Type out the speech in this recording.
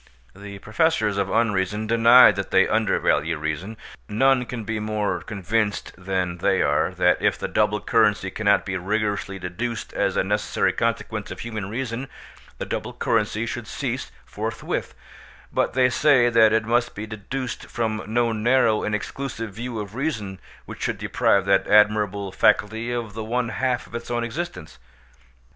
The Professors of Unreason deny that they undervalue reason: none can be more convinced than they are, that if the double currency cannot be rigorously deduced as a necessary consequence of human reason, the double currency should cease forthwith; but they say that it must be deduced from no narrow and exclusive view of reason which should deprive that admirable faculty of the one half of its own existence.